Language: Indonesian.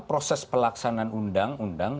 proses pelaksanaan undang undang